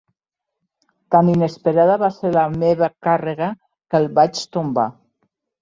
Tan inesperada va ser la meva càrrega que el vaig tombar.